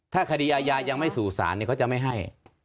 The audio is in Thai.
ถ้าคดีอาญายังไม่สู่ศาลเขาจะไม่ให้